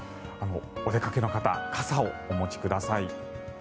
お出かけの方傘をお持ちください。